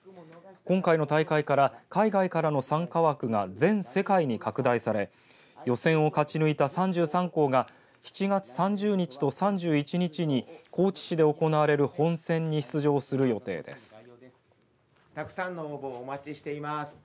今回の大会から海外からの参加枠が全世界に拡大され予選を勝ち抜いた３３校は７月３０日と３１日に高知市で行われる本選に出場する予定です。